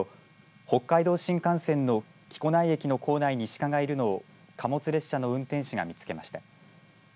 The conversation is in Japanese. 北海道新幹線の木古内駅の構内にシカがいるのを貨物列車の運転士が見つけました。